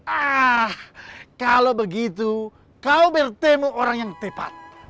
ah kalau begitu kau bertemu orang yang tepat